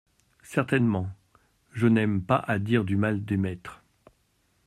Certainement, je n’aime pas à dire du mal des maîtres…